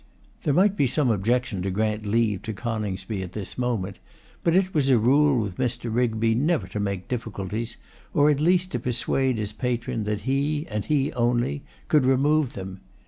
There might be some objection to grant leave to Coningsby at this moment; but it was a rule with Mr. Rigby never to make difficulties, or at least to persuade his patron that he, and he only, could remove them.